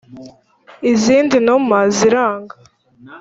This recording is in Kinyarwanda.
» izindi numa ziranga.